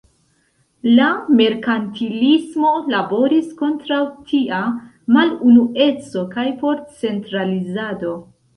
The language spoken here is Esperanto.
La merkantilismo laboris kontraŭ tia malunueco kaj por centralizado.